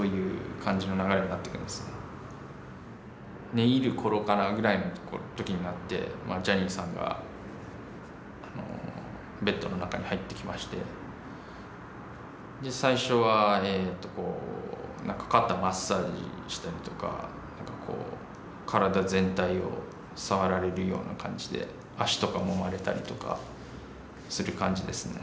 寝入る頃かなぐらいの時になってジャニーさんがベッドの中に入ってきまして最初はなんか肩マッサージしたりとか体全体を触られるような感じで足とか揉まれたりとかする感じですね。